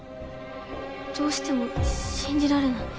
どうしても信じられない。